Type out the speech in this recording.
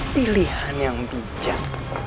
pilihan yang bijak